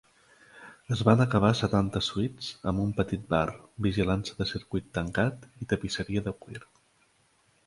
Es van acabar setanta suites amb un petit bar, vigilància de circuit tancat i tapisseria de cuir.